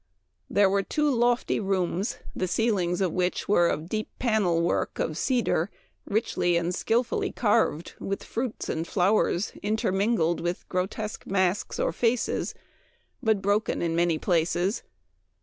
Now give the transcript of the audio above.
There were two lofty rooms, the ceilings of which were of deep panel work o( cedar, richly and skillfull v carved with fruits and flowers in termingled with grotesque masks or faces, but broken in many places.